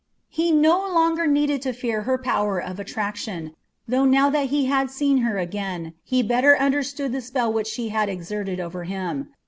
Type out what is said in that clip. He no longer needed to fear her power of attraction, though, now that he had seen her again, he better understood the spell which she had exerted over him.